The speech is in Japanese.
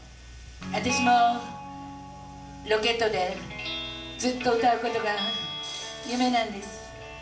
私もロケットでずっと歌うことが夢なんです